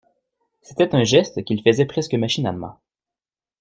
C’était un geste qu’il faisait presque machinalement.